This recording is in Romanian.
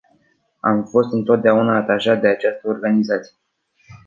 Am fost întotdeauna atașat de această organizație.